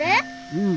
うん。